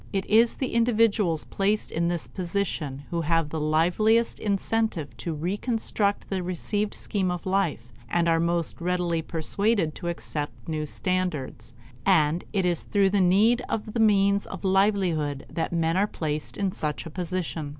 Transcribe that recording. It is the individuals placed in this position who have the liveliest incentive to reconstruct the received scheme of life and are most readily persuaded to accept new standards; and it is through the need of the means of livelihood that men are placed in such a position.